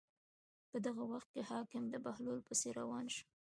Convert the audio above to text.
په دغه وخت کې حاکم د بهلول پسې روان شو.